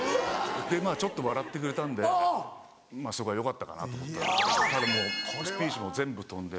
でまぁちょっと笑ってくれたんでまぁそこはよかったかなと思ったんですけどただもうスピーチも全部飛んで。